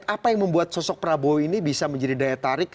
apa yang membuat sosok prabowo ini bisa menjadi daya tarik